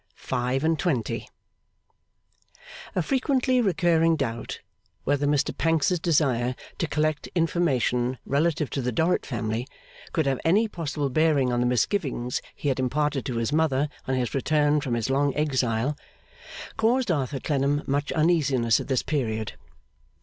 Five and Twenty A frequently recurring doubt, whether Mr Pancks's desire to collect information relative to the Dorrit family could have any possible bearing on the misgivings he had imparted to his mother on his return from his long exile, caused Arthur Clennam much uneasiness at this period.